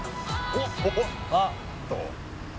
おっと？